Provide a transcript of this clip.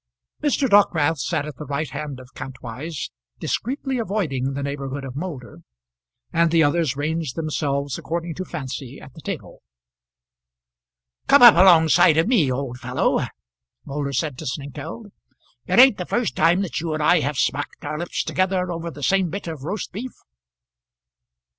Mr. Dockwrath sat at the right hand of Kantwise, discreetly avoiding the neighbourhood of Moulder, and the others ranged themselves according to fancy at the table. "Come up along side of me, old fellow," Moulder said to Snengkeld. "It ain't the first time that you and I have smacked our lips together over the same bit of roast beef."